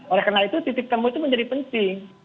oleh karena itu titik temu itu menjadi penting